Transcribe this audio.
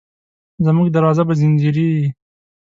زموږ دروازه به ځینځېرې،